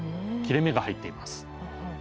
切れ目が入っています。